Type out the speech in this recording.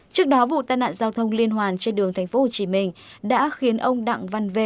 trước đó vụ tai nạn giao thông liên hoàn trên đường thành phố hồ chí minh đã khiến ông đặng văn v